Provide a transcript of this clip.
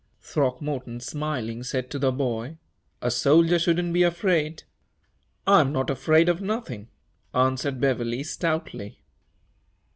Throckmorton, smiling, said to the boy, "A soldier shouldn't be afraid." "I'm not afraid of nothin'," answered Beverley, stoutly.